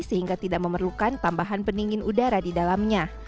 sehingga tidak memerlukan tambahan pendingin udara di dalamnya